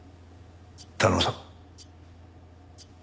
頼むぞ。